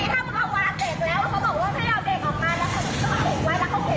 เขาบอกว่าถ้าให้เอาเด็กออกมาแล้วถ้ามันจะเอาหวานเด็กไว้